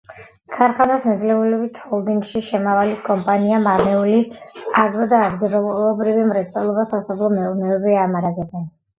ქარხანას ნედლეულით ჰოლდინგში შემავალი კომპანია „მარნეული აგრო“ და ადგილობრივი მცირე სასოფლო მეურნეობები ამარაგებენ.